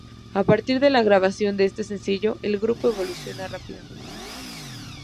A partir de la grabación de este sencillo el grupo evoluciona rápidamente.